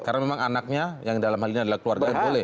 karena memang anaknya yang dalam hal ini adalah keluarganya boleh